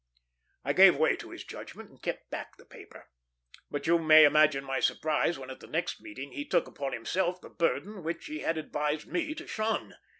I gave way to his judgment, and kept back the paper; but you may imagine my surprise when at the next meeting he took upon himself the burden which he had advised me to shun.